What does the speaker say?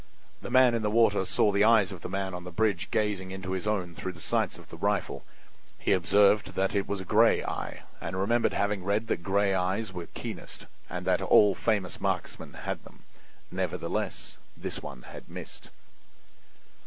The man in the water saw the eye of the man on the bridge gazing into his own through the sights of the rifle. He observed that it was a gray eye and remembered having read that gray eyes were keenest, and that all famous marksmen had them. Nevertheless, this one had missed.